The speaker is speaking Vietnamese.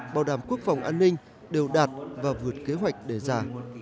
bảo đảm quốc phòng an ninh đều đạt và vượt kế hoạch đề ra